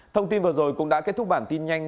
thông tin vừa rồi cũng đã kết thúc bản tin nhanh